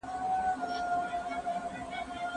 د ارغنداب سیند له امله د کندهار اقلیم نرم سوي دی.